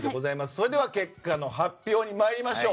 それでは結果の発表に参りましょう。